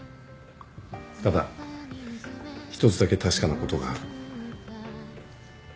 ただ一つだけ確かなことがある。